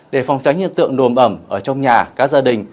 để phòng tránh hiện tượng nổ mẩm ở trong nhà các gia đình